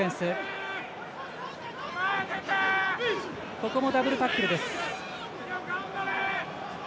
ここもダブルタックルです。